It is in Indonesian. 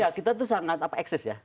ya kita tuh sangat eksis ya